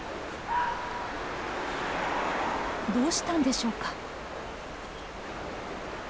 ・・どうしたんでしょうか。